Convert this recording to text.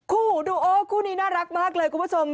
ดูโอ้คู่นี้น่ารักมากเลยคุณผู้ชม